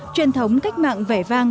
truyền thống cách mạng vẻ vang